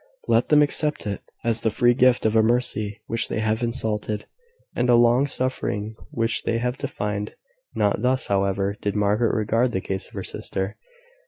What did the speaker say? Let them accept it as the free gift of a mercy which they have insulted, and a long suffering which they have defied. Not thus, however, did Margaret regard the case of her sister.